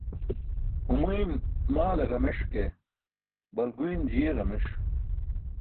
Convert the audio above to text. Humuyn maale ġameṣ ke, balguyn jiye ġameṣ.